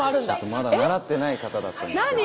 まだ習ってない形だったんです。